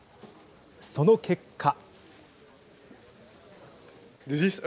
その結果。